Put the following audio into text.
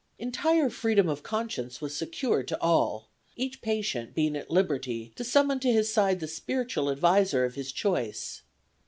Entire freedom of conscience was secured to all, each patient being at liberty to summon to his side the spiritual adviser of his choice.